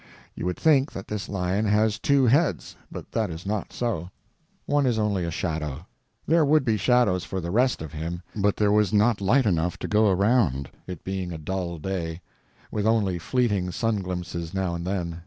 You would think that this lion has two heads, but that is not so; one is only a shadow. There would be shadows for the rest of him, but there was not light enough to go round, it being a dull day, with only fleeting sun glimpses now and then.